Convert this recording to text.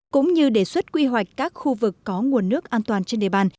cũng như đề xuất quy hoạch các khu vực có nguồn nước an toàn trên địa bàn